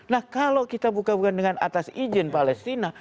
nah kalau kita buka bukaan dengan atas izin palestina